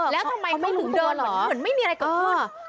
แล้วทำไมเขาหนึ่งตัวเหมือนไม่มีอะไรกับมือ